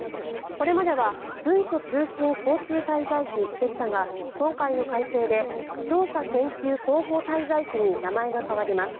これまでは文書通信交通滞在費でしたが今回の改正で調査研究広報滞在費に名前が変わります。